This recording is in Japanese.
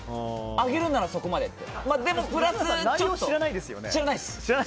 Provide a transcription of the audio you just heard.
上げるならそこまでって。